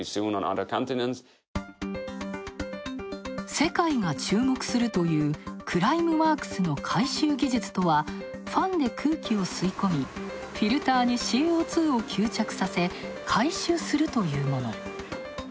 世界が注目するというクライムワークスの回収技術とは、ファンで空気を吸い込み、フィルターにＣＯ２を吸着させ回収するというもの。